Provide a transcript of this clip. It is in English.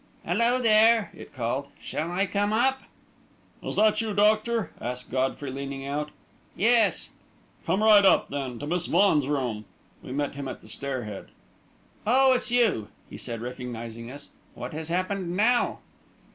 "Hello, there," it called. "Shall I come up?" "Is it you, doctor?" asked Godfrey, leaning out. "Yes." "Come right up, then, to Miss Vaughan's room." We met him at the stair head. "Oh, it's you!" he said, recognising us. "What has happened now?"